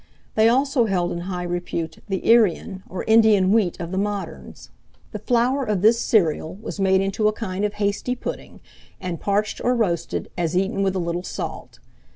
They also held in high repute the Irion, or Indian wheat of the moderns. The flour of this cereal was made into a kind of hasty pudding, and, parched or roasted, as eaten with a little salt.